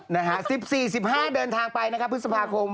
นะฮะ๑๔๑๕เดินทางไปนะครับพฤษภาคม